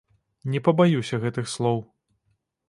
Не пабаюся гэтых слоў.